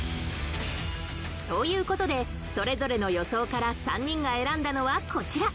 という事でそれぞれの予想から３人が選んだのはこちら